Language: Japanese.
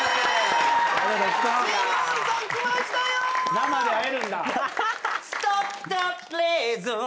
生で会えるんだ。